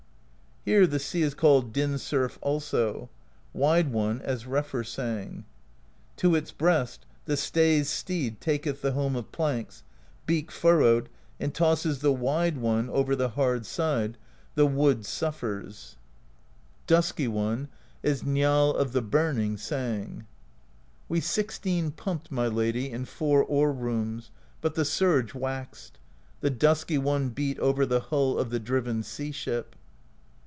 Here the sea is called Din Surf also. Wide One, as Refr sang: To its breast the Stay's steed taketh The Home of Planks, beak furrowed, And tosses the Wide One over The hard side; the wood suffers. THE POESY OF SKALDS 219 Dusky One, as Njall of the Burning sang: We sixteen pumped, my Lady, In four oar rooms, but the surge waxed: The Dusky One beat over The hull of the driven sea ship.